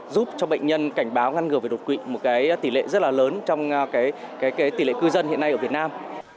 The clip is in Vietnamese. giúp cho bệnh nhân cảnh báo ngăn ngừa về đột quỵ một tỷ lệ rất là lớn trong tỷ lệ cư dân hiện nay ở việt nam